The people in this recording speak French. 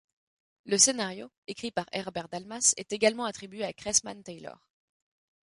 Le scénario, écrit par Herbert Dalmas, est également attribué à Kressmann Taylor.